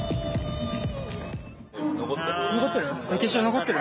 残ってる？